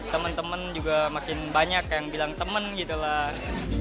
teman teman juga makin banyak yang bilang temen gitu lah